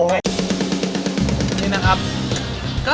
นี่นะครับ